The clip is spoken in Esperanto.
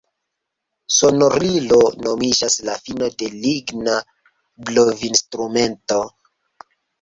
Sonorilo nomiĝas la fino de ligna blovinstrumento.